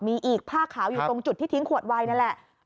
มีอีกผ้าขาวอยู่ตรงจุดที่ทิ้งขวดไวนั่นแหละ